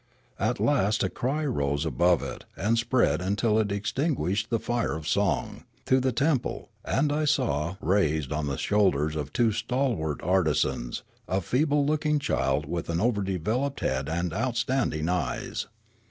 At last a cry rose above it and spread until it extinguished the fire of song :" To the temple !" and I saw raised on the shoulders of two stalwart artisans a feeble looking child with an over developed head and outstanding eyes.